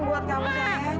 buat kamu sayang